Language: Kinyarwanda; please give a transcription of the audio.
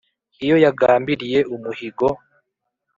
Iyo yagambiriye umuhigo